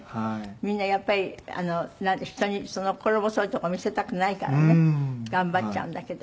みんなやっぱり人に心細いとこ見せたくないからね頑張っちゃうんだけど。